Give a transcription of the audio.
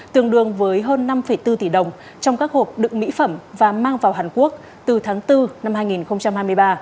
tương đương với hơn năm bốn tỷ đồng trong các hộp đựng mỹ phẩm và mang vào hàn quốc từ tháng bốn năm hai nghìn hai mươi ba